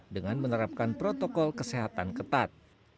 dengan menerapkan protokol kesehatan ketat